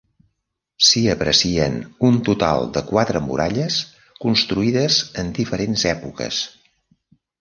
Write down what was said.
S'hi aprecien un total de quatre muralles construïdes en diferents èpoques.